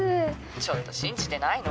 ちょっと信じてないの？